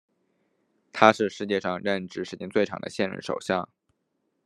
他是世界上任职时间最长的现任首相。